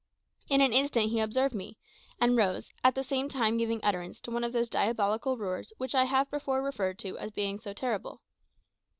In an instant he observed me, and rose, at the same time giving utterance to one of those diabolical roars which I have before referred to as being so terrible.